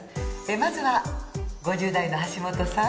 まずは５０代の橋本さん。